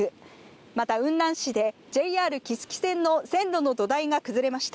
また雲南市でＪＲ木次線の線路の土台が崩れました。